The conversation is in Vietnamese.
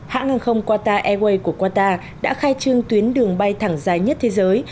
hãng hàng không qatar airways của qatar đã khai trương tuyến đường bay thẳng dài nhất thế giới